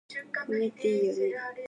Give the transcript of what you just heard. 米っていいよね